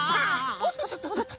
おっとっとっと。